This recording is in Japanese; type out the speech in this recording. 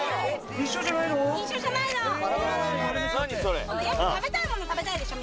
一緒じゃないのやっぱ食べたいもの食べたいでしょ？